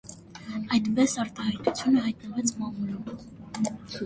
Այդպես արտահայտությունը հայտնվեց մամուլում։